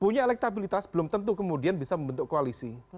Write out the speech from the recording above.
punya elektabilitas belum tentu kemudian bisa membentuk koalisi